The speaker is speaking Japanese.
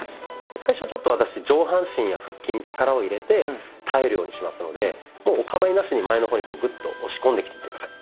最初ちょっと私上半身や腹筋に力を入れて耐えるようにしますのでもうおかまいなしに前の方にグッと押し込んできて下さい。